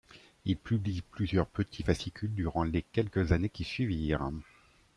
Il publie plusieurs petits fascicules durant les quelques années qui suivirent.